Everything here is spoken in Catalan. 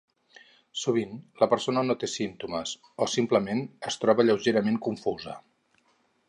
Sovint la persona no té símptomes, o simplement es troba lleugerament confusa.